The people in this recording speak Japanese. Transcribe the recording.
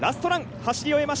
走り終えました。